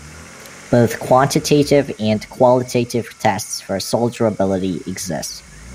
Both quantitative and qualitative tests for solderability exist.